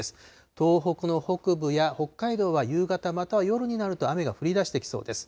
東北の北部や北海道は夕方、または夜になると雨が降りだしてきそうです。